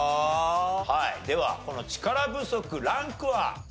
はいではこの力不足ランクは？